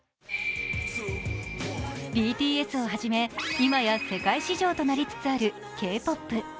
ＢＴＳを初め、今や世界市場となりつつあるＫ−ＰＯＰ。